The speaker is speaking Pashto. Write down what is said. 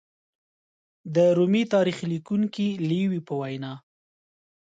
د رومي تاریخ لیکونکي لېوي په وینا